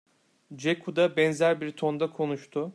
Ceku da benzer bir tonda konuştu.